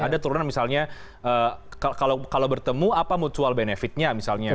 ada turunan misalnya kalau bertemu apa mutual benefitnya misalnya